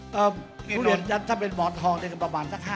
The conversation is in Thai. ทุเรียนจัดเป็นบอสทองเรื่องประมาณสัก๕๐๐๐